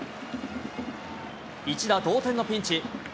一打同点のピンチ。